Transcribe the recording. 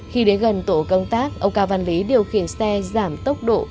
khi đến gần tổ công tác ông cao văn lý điều khiển xe giảm tốc độ